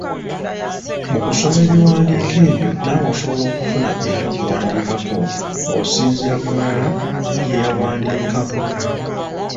Mu kusoma ebiwandiiko ebyo naawe osobola okufuna eky’okuwandiikako ng’osinziira ku mulala gye yawandiikamu.